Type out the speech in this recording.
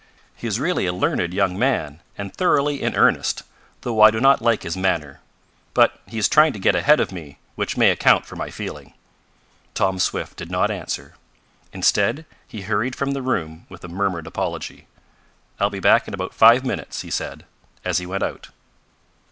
He is really a learned young man, and thoroughly in earnest, though I do not like his manner. But he is trying to get ahead of me, which may account for my feeling." Tom Swift did not answer. Instead he hurried from the room with a murmured apology. "I'll be back in about five minutes," he said, as he went out.